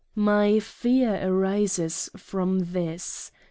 My Fear arises from This.